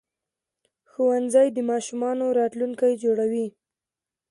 ښوونځي د ماشومانو راتلونکي جوړوي